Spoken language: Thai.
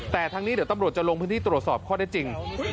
แต่ทางนี้เดี๋ยวตำรวจจะลงพื้นที่ตรวจสอบข้อได้จริง